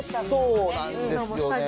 そうなんですよね。